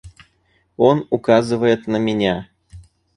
Он указывает на меня.